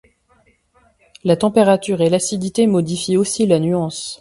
La température et l'acidité modifient aussi la nuance.